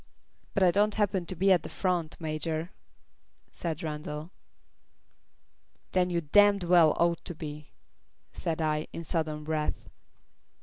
"But I don't happen to be at the front, Major," said Randall. "Then you damned well ought to be," said I, in sudden wrath.